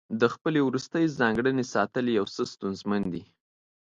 د خپلې وروستۍ ځانګړنې ساتل یو څه ستونزمن دي.